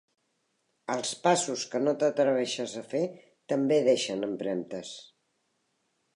Els passos que no t'atreveixes a fer també deixen empremtes.